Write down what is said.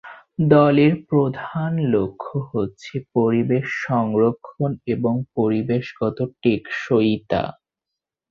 দলের প্রধান লক্ষ্য হচ্ছে পরিবেশ সংরক্ষণ এবং পরিবেশগত টেকসইতা।